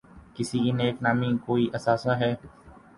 کسی کی نیک نامی کوئی اثاثہ ہے۔